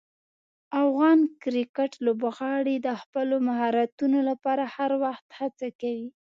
افغان کرکټ لوبغاړي د خپلو مهارتونو لپاره هر وخت هڅه کوي.